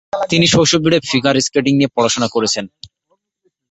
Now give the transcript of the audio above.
তিনি শৈশব জুড়ে ফিগার স্কেটিং নিয়ে পড়াশোনা করেছেন।